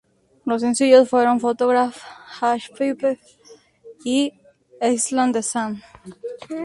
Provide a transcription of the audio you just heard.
Los sencillos fueron "Photograph", "Hash Pipe" y "Island in the Sun".